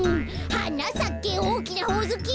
「はなさけおおきなほおずき」